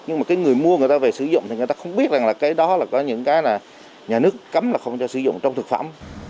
nhưng mà cái người mua người ta về sử dụng thì người ta không biết rằng là cái đó là có những cái là nhà nước cấm là không cho sử dụng trong thực phẩm